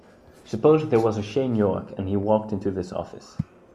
Suppose there was a Shane York and he walked into this office.